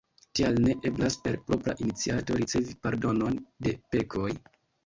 Tial ne eblas per propra iniciato ricevi pardonon de pekoj.